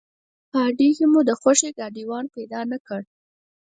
په اډې کې مو د خوښې ګاډیوان پیدا نه کړ.